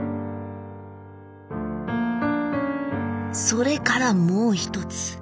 「それからもう一つ。